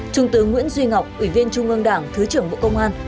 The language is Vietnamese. trung tướng nguyễn duy ngọc ủy viên trung ương đảng thứ trưởng bộ công an